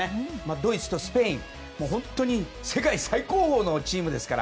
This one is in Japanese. ドイツとスペイン、本当に世界最高峰のチームですから。